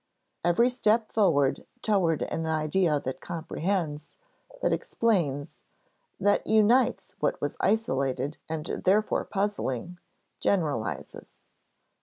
Every step forward toward an idea that comprehends, that explains, that unites what was isolated and therefore puzzling, generalizes.